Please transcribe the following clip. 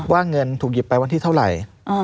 เงินถูกหยิบไปวันที่เท่าไหร่